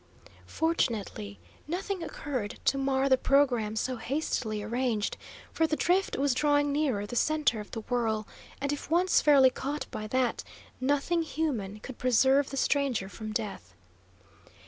Fortunately nothing occurred to mar the programme so hastily arranged, for the drift was drawing nearer the centre of the whirl, and if once fairly caught by that, nothing human could preserve the stranger from death.